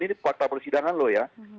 ini fakta persidangan loh ya